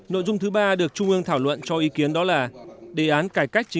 nội dung thứ ba được trung ương thảo luận cho ý kiến đó là